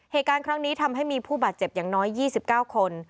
เหตุการณ์ครั้งนี้ทำให้มีผู้บาดเจ็บอย่างน้อย๒๙คน